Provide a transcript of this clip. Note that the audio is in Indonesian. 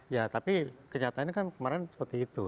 ya tapi kenyataannya kan kemarin seperti itu